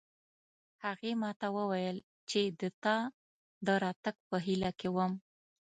هغې ما ته وویل چې د تا د راتګ په هیله کې وم